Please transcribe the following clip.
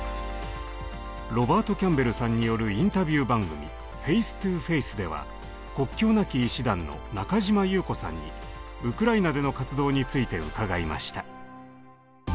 ロバート・キャンベルさんによるインタビュー番組「ＦａｃｅＴｏＦａｃｅ」では「国境なき医師団」の中嶋優子さんにウクライナでの活動について伺いました。